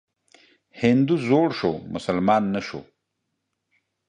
هندو زوړ سو ، مسلمان نه سو.